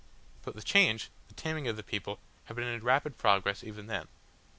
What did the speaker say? But the change, the taming of the people, had been in rapid progress even then.